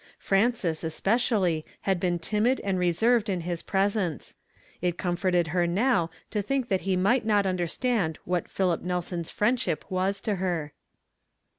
Frances, especially, had been timid and reserved in his presence. It comforted her now to think that he might not understand what Philip Nelson's friendship was to her.